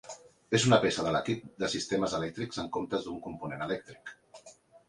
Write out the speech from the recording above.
És una peça de l'equip de sistemes elèctrics en comptes d'un component elèctric.